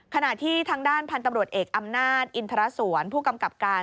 ขณะที่ทางด้านพันธุ์ตำรวจเอกอำนาจอินทรสวนผู้กำกับการ